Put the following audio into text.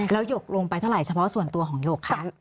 แล้วหยกลงไปเท่าไหรเฉพาะส่วนตัวของหยกคะ